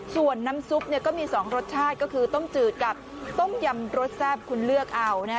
ส่วนน้ำซุปเนี่ยก็มี๒รสชาติก็คือต้มจืดกับต้มยำรสแซ่บคุณเลือกเอานะฮะ